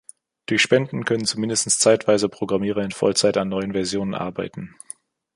Durch Spenden können zumindest zeitweise Programmierer in Vollzeit an neuen Versionen arbeiten.